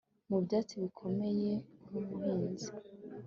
mu byatsi bikomeye nkumuhinzi